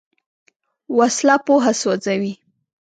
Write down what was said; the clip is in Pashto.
وسله پوهه سوځوي